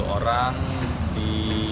sepuluh orang di